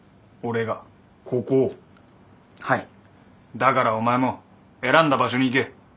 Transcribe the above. だからお前も選んだ場所に行け。